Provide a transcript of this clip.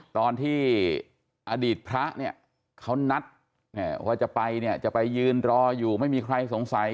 ตอนที่อดีตพระเนี่ยเขานัดว่าจะไปเนี่ยจะไปยืนรออยู่ไม่มีใครสงสัย